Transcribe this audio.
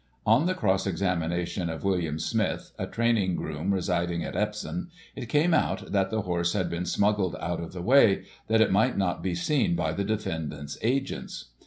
On the cross examination of William Smith, a training groom residing at Epvsom, it came out that the horse had been smuggled out of the way, that it might not be seen by the defendant's agents.